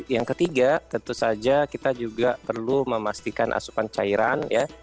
yang ketiga tentu saja kita juga perlu memastikan asupan cairan ya